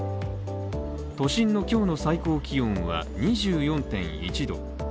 都心の今日の最高気温は２４．１度。